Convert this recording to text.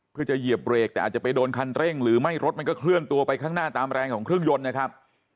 เพื่อจะเหยียบเบรกแต่อาจจะไปโดนคันเร่งหรือไม่รถมันก็เคลื่อนตัวไปข้างหน้าตามแรงของเครื่องยนต์นะครับ